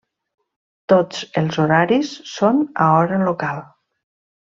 Tots els horaris són a hora local.